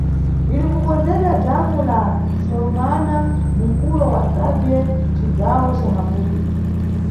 Liri kukonzedwa dhamu la Corumana, mu mkulo wa Sabie, mcigawo ca Maputo.